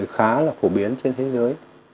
khá là phổ biến trên thế giới